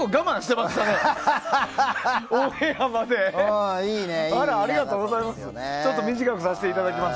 まあ、ありがとうございます。